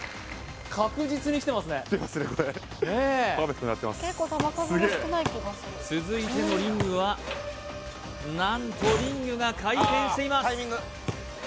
確実にきてますね続いてのリングは何とリングが回転しています